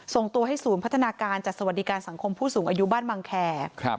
ส่งตัวให้ศูนย์พัฒนาการจัดสวัสดิการสังคมผู้สูงอายุบ้านบังแคร์